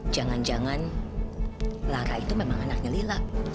jangan jangan lara itu memang anaknya lila